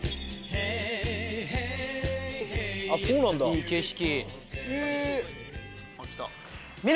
いい景色。